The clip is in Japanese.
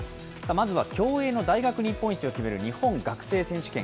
まずは競泳の大学日本一を決める、日本学生選手権。